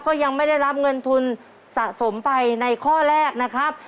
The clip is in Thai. ก็ยังไม่ได้รับเงินทุนสะสมไปในข้อแรกนะครับ